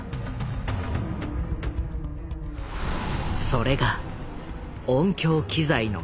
それが音響機材のケース。